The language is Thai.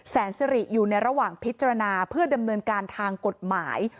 แสนสิริอยู่ในระหว่างพิจารณาเพื่อดำเนินการทางกฎหมาย